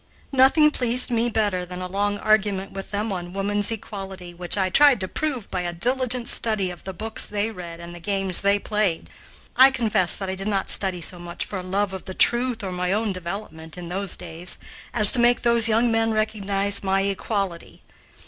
Nothing pleased me better than a long argument with them on woman's equality, which I tried to prove by a diligent study of the books they read and the games they played. I confess that I did not study so much for a love of the truth or my own development, in these days, as to make those young men recognize my equality.